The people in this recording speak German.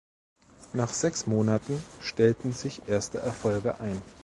Nach sechs Monaten stellten sich erste Erfolge ein.